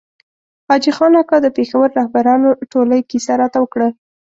حاجي خان اکا د پېښور رهبرانو ټولۍ کیسه راته وکړه.